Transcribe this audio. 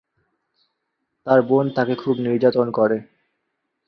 তার বোন তাকে খুব নির্যাতন করে।